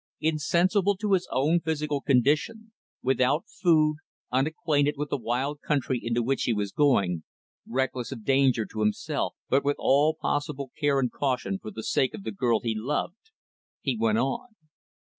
Insensible to his own physical condition; without food; unacquainted with the wild country into which he was going; reckless of danger to himself but with all possible care and caution for the sake of the girl he loved, he went on.